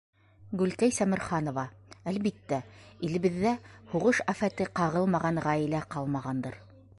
Гөлкәй Сәмерханова: Әлбиттә, илебеҙҙә һуғыш афәте ҡағылмаған ғаилә ҡалмағандыр.